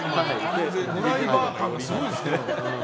ドライバー感がすごいですけど。